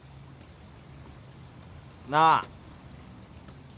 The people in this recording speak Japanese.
なあ。